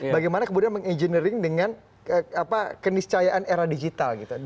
bagaimana kemudian meng engineering dengan keniscayaan era digital gitu